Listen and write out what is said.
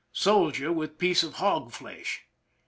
Soldier with piece of hog flesh.